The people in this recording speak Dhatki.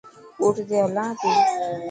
اوٺ ته هلان اپي.